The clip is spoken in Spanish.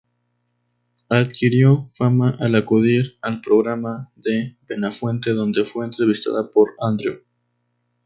Adquirió fama al acudir al programa de Buenafuente, donde fue entrevistada por Andreu.